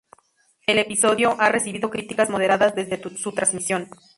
El episodio ha recibido críticas moderadas desde su transmisión.